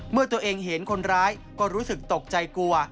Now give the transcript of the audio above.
เมื่อตัวเองเห็นคนร้ายก็รู้สึกตกใจกลัว